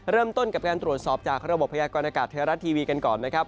เริ่มต้นกับการตรวจสอบจากระบบพยากรณากาศไทยรัฐทีวีกันก่อนนะครับ